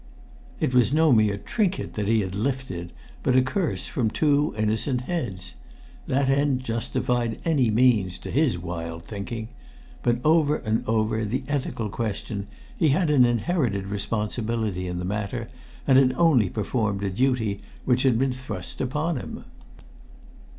It was no mere trinket that he had "lifted," but a curse from two innocent heads. That end justified any means, to his wild thinking. But, over and above the ethical question, he had an inherited responsibility in the matter, and had only performed a duty which had been thrust upon him.